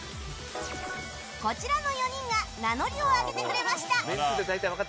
こちらの４人が名乗りを上げてくれました。